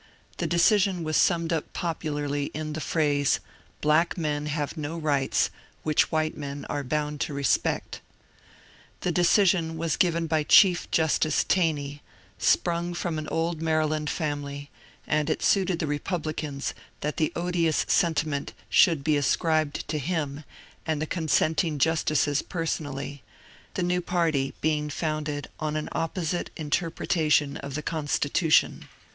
The decision was summed up popularly in the phrase, ^^ Black men have no rights which white men are bound to respect." The decision was given by Chief Justice Taney, sprung from an old Mary land family, and it suited the Republicans that the odious sentiment should be ascribed to him and the consenting jus tices personally, the new party being founded on an opposite interpretation of the Constitution.